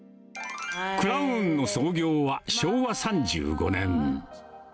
クラウンの創業は昭和３５年。